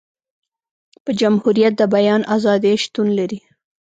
په جمهوريت د بیان ازادي شتون لري.